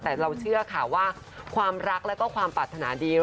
แต่เราเชื่อค่ะว่าความรักแล้วก็ความปรารถนาดี